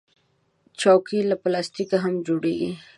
چوکۍ له پلاستیکه هم جوړیږي.